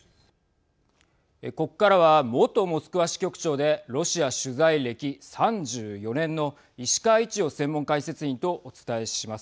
ここからは元モスクワ支局長でロシア取材歴３４年の石川一洋専門解説委員とお伝えします。